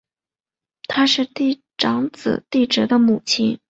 她是帝喾长子帝挚的母亲。